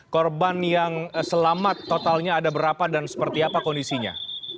korban yang selamat totalnya ada berapa dan seperti apa kondisinya